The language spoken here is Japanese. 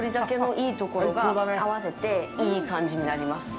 いいところが合わさっていい感じになります。